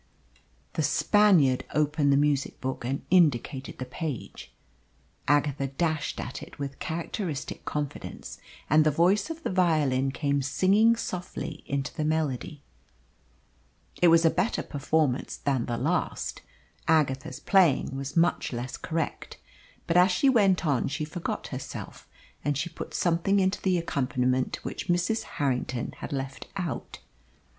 The Spaniard opened the music book and indicated the page. Agatha dashed at it with characteristic confidence, and the voice of the violin came singing softly into the melody. It was a better performance than the last. Agatha's playing was much less correct, but as she went on she forgot herself, and she put something into the accompaniment which Mrs. Harrington had left out.